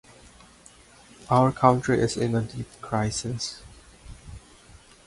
Our country is in a deep crisis.